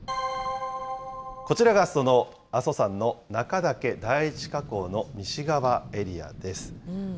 こちらがその阿蘇山の中岳第一火口の西側エリアです。